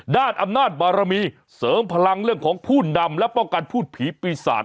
ด้านอำนาจบารมีเสริมพลังเรื่องของผู้นำและป้องกันพูดผีปีศาจ